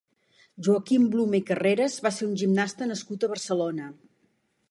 Joaquim Blume i Carreras va ser un gimnasta nascut a Barcelona.